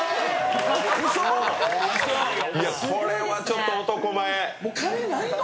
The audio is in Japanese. これはちょっと男前。